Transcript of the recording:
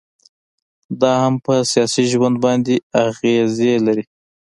دا هم پر سياسي ژوند باندي اغيزي لري